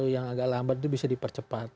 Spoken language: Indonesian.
yang agak lambat itu bisa dipercepat